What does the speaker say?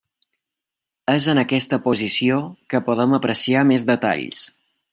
És en aquesta posició que podem apreciar més detalls.